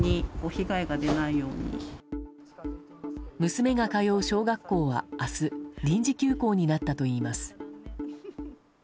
娘が通う小学校は明日臨時休校になったといいます。